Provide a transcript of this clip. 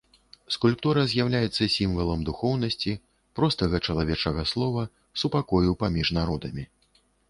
Скульптура з'яўляецца сімвалам духоўнасці, простага чалавечага слова, супакою паміж народамі.